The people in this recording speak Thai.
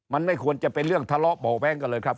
มันไม่ควรจะเป็นเรื่องทะเลาะเบาะแว้งกันเลยครับ